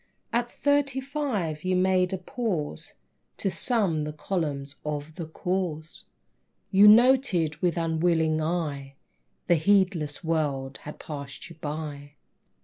At thirty five you made a pause To sum the columns of The Cause; You noted, with unwilling eye, The heedless world had passed you by.